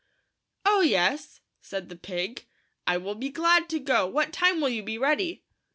"Oh yes," said the pig, " I will be glad to go; what time will you be ready?"